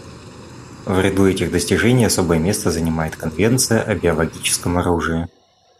В ряду этих достижений особое место занимает Конвенция о биологическом оружии.